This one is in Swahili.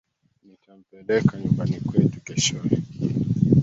Nitampeleka nyumbani kwetu keshowe